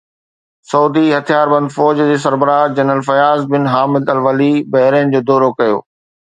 سعودي هٿياربند فوج جي سربراهه جنرل فياض بن حامد الولي بحرين جو دورو ڪيو